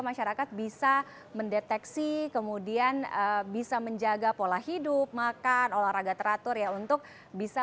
masyarakat bisa mendeteksi kemudian bisa menjaga pola hidup makan olahraga teratur ya untuk bisa